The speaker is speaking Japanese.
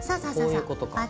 こういうことだ。